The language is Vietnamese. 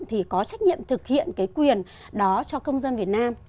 thì có trách nhiệm thực hiện cái quyền đó cho công dân việt nam